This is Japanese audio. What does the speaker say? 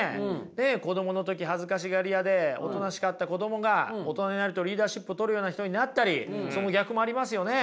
子供の時恥ずかしがり屋でおとなしかった子供が大人になるとリーダーシップを取るような人になったりその逆もありますよね。